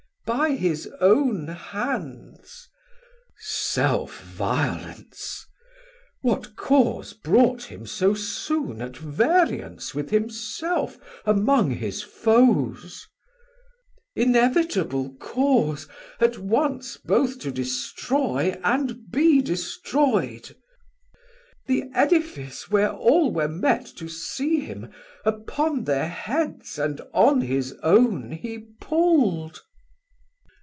Mess: By his own hands. Man: Self violence? what cause Brought him so soon at variance with himself Among his foes? Mess: Inevitable cause At once both to destroy and be destroy'd; The Edifice where all were met to see him Upon thir heads and on his own he pull'd.